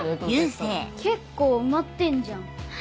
結構埋まってんじゃん。